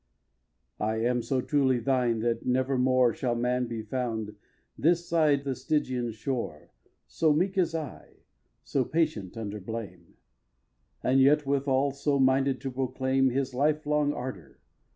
ii. I am so truly thine that nevermore Shall man be found, this side the Stygian shore, So meek as I, so patient under blame, And yet, withal, so minded to proclaim His life long ardour.